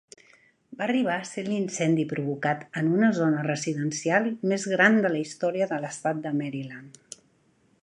Va arribar a ser l'incendi provocat en una zona residencial més gran de la història de l'estat de Maryland.